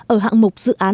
ở hạng mục dự án